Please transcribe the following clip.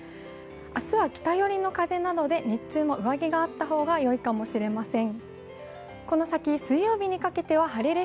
明日は北寄りの風なので日中も上着があった方がよいかもしれません。